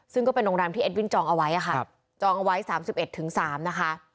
ซึ่งก็เป็นโรงแรมที่อิสวินค่ะจองเอาไว้สามสิบเอ็ดถึงสามนะคะ